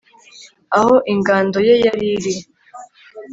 aho ingando ye yari iri